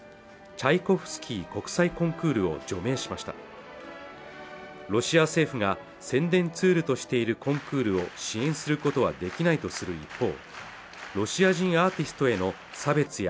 チャイコフスキー国際コンクールを除名しましたロシア政府が宣伝ツールとしているコンクールを支援することはできないとする一方